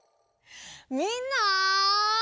みんな！